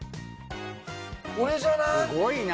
これじゃない？